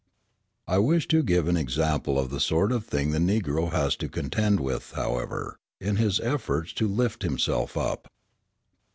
I wish to give an example of the sort of thing the Negro has to contend with, however, in his efforts to lift himself up.